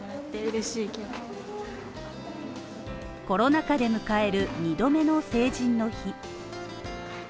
コロナ禍で迎える２度目の成人の日。